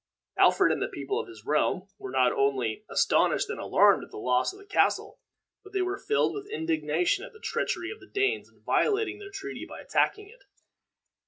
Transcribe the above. Alfred and the people of his realm were not only astonished and alarmed at the loss of the castle, but they were filled with indignation at the treachery of the Danes in violating their treaty by attacking it.